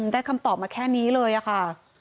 คำตอบมาแค่นี้เลยค่ะ